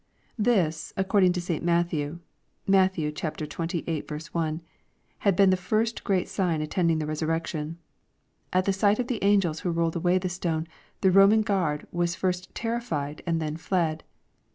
] This, according to St. Matthew, (Matt xxviii 1,) had been the first great sign attending the resurrection. At the sight of the angels who rolled away the stone, the Roman guard was first terrified and then fled.